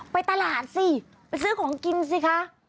ไปตลาดสิไปซื้อของกินสิคะ